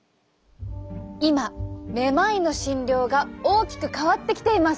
今めまいの診療が大きく変わってきています。